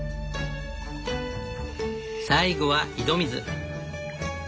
最後は井戸水。